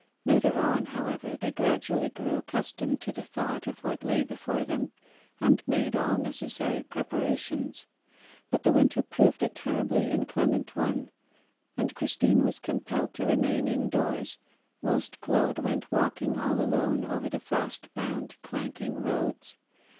Later on, however, they gradually grew accustomed to the thought of what lay before them and made all necessary preparations. But the winter proved a terribly inclement one, and Christine was compelled to remain indoors, whilst Claude went walking all alone over the frost bound, clanking roads.